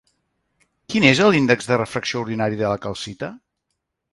Quin és l'índex de refracció ordinari de la calcita?